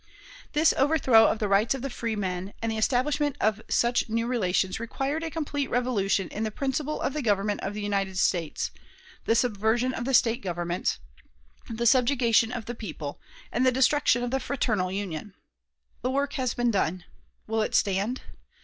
This overthrow of the rights of freemen and the establishment of such new relations required a complete revolution in the principle of the government of the United States, the subversion of the State governments, the subjugation of the people, and the destruction of the fraternal Union. The work has been done. Will it stand?